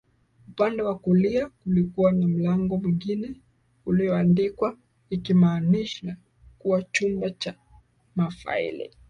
Upande wa kulia kulikuwa na mlango mwingine ulioandikwa ikimaanisha kuwa chumba cha mafaili